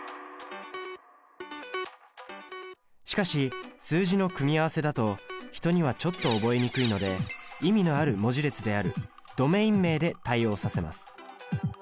しかし数字の組み合わせだと人にはちょっと覚えにくいので意味のある文字列であるドメイン名で対応させます。